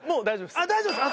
あっ大丈夫ですか。